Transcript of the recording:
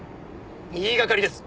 言いがかりです。